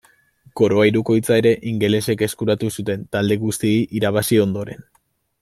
Koroa Hirukoitza ere ingelesek eskuratu zuten talde guztiei irabazi ondoren.